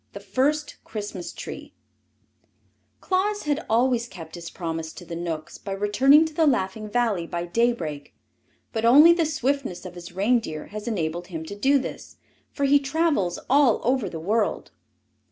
The First Christmas Tree Claus had always kept his promise to the Knooks by returning to the Laughing Valley by daybreak, but only the swiftness of his reindeer has enabled him to do this, for he travels over all the world.